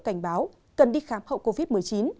cảnh báo cần đi khám hậu covid một mươi chín